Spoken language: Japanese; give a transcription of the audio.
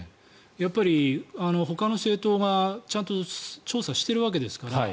やっぱりほかの政党がちゃんと調査しているわけですから。